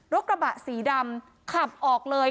กระบะสีดำขับออกเลย